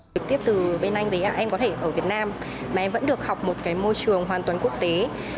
trực tiếp từ bên anh anh có thể ở việt nam mà em vẫn được học một môi trường hoàn toàn quốc tế